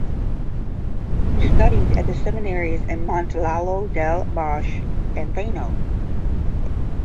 He studied at the seminaries in Montalto delle Marche and Fano.